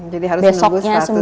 jadi harus menunggu seratus hari